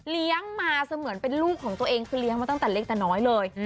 มาเสมือนเป็นลูกของตัวเองคือเลี้ยงมาตั้งแต่เล็กแต่น้อยเลย